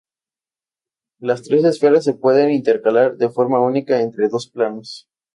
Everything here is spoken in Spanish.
Las tres esferas se pueden intercalar de forma única entre dos planos.